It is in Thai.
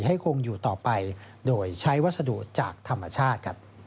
คงอยู่ต่อไปโดยใช้วัสดุจากธรรมชาติ